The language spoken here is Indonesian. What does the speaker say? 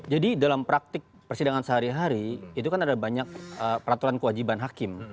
jadi kalau kita lihat praktik persidangan sehari hari itu kan ada banyak peraturan kewajiban hakim